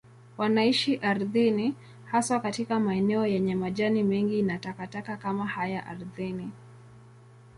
Wanaishi ardhini, haswa katika maeneo yenye majani mengi na takataka kama haya ardhini.